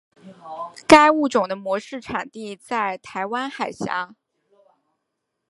该物种的模式产地在台湾海峡。